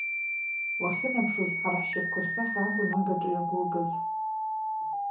Уахьынаԥшуаз, ҳара ҳшьапқәа рсахьа акәын агаҿа иагәылгаз.